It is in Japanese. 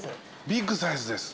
ビッグサイズです。